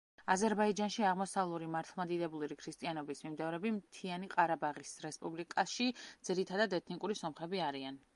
აზერბაიჯანში აღმოსავლური მართლმადიდებლური ქრისტიანობის მიმდევრები მთიანი ყარაბაღის რესპუბლიკაში ძირითადად ეთნიკური სომხები არიან.